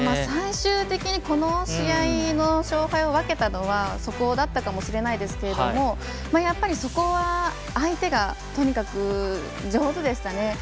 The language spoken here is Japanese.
最終的に勝敗を分けたのはそこだったかもしれないですがそこは、相手がとにかく上手でしたね。